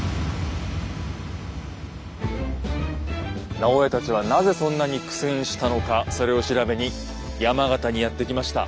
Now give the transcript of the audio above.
直江たちはなぜそんなに苦戦したのかそれを調べに山形にやって来ました。